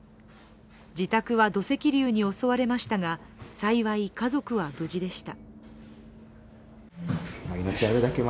自宅は土石流に襲われましたが幸い家族は無事でした。